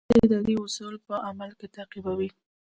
دا د ادارې اصول په عمل کې تطبیقوي.